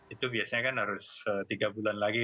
itu biasanya kan harus tiga bulan lagi